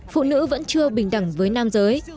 phụ nữ vẫn chưa bình đẳng với nam giới